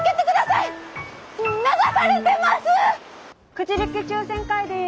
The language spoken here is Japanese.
くじ引き抽選会です。